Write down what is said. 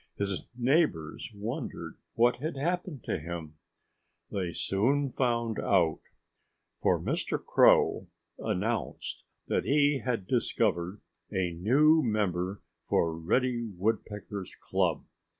His neighbors wondered what had happened to him. They soon found out. For Mr. Crow announced that he had discovered a new member for Reddy Woodpecker's club.